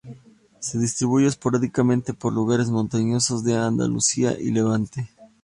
Se distribuye esporádicamente por lugares montanos de Andalucía y Levante.